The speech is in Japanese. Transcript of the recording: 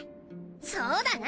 そうだな！